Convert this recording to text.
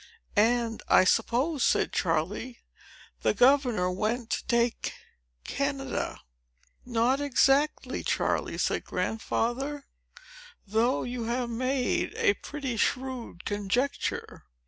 "And I suppose," said Charley, "the governor went to take Canada." "Not exactly, Charley," said Grandfather, "though you have made a pretty shrewd conjecture.